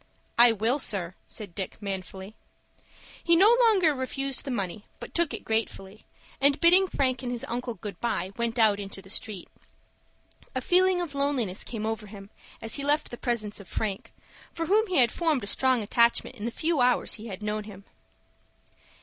"I will, sir," said Dick, manfully. He no longer refused the money, but took it gratefully, and, bidding Frank and his uncle good by, went out into the street. A feeling of loneliness came over him as he left the presence of Frank, for whom he had formed a strong attachment in the few hours he had known him.